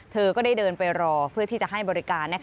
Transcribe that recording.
เธอก็ได้เดินไปรอเพื่อที่จะให้บริการ